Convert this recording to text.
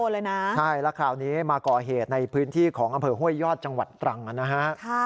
ใช่แล้วคราวนี้มาก่อเหตุในพื้นที่ของอำเภอห้วยยอดจังหวัดตรังนะฮะ